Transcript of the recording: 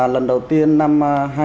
lần đầu tiên năm hai nghìn một mươi bảy